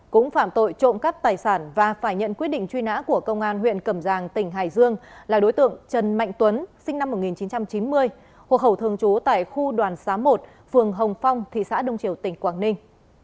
cũng phạm tội trộm cắp tài sản và phải nhận quyết định truy nã của công an huyện cẩm giang tỉnh hải dương là đối tượng trần mạnh tuấn sinh năm một nghìn chín trăm chín mươi hồ khẩu thường trú tại khu đoàn xá một phường hồng phong thị xã đông triều tỉnh quảng ninh